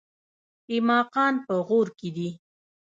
ایماقان په غور کې دي؟